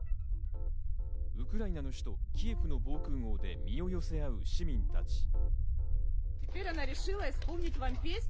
ウクライナの首都キエフの防空壕で身を寄せ合う市民たち。